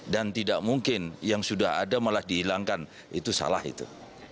dan tidak mungkin yang sudah ada malah dihilangkan itu salah itu